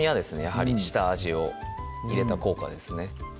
やはり下味を入れた効果ですね